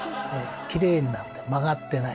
キレイになって曲がってない。